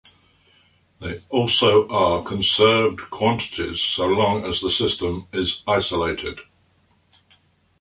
They also are conserved quantities, so long as the system is isolated.